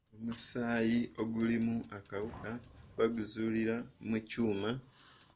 Omusaayi ogulimu akawuka baguzuulira mu kyuma.